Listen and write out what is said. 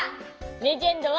レジェンドは？